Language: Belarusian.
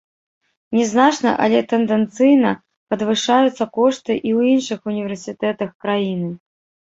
Не значна, але тэндэнцыйна падвышаюцца кошты і ў іншых універсітэтах краіны.